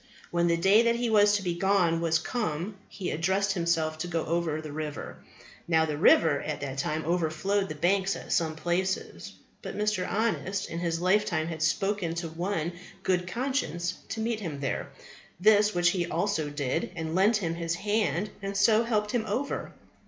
When the day that he was to be gone was come he addressed himself to go over the river. Now, the river at that time overflowed the banks at some places. But Mr. Honest in his lifetime had spoken to one Good conscience to meet him there, the which he also did, and lent him his hand, and so helped him over.